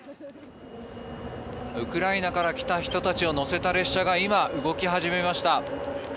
ウクライナから来た人たちを乗せた列車が今、動き始めました。